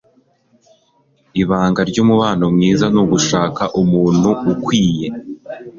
Ibanga ry'umubano mwiza ni ugushaka umuntu ukwiye.